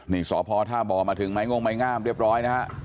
นี่สพท่าบ่อมาถึงไม้ง่งไม้งามเรียบร้อยนะฮะ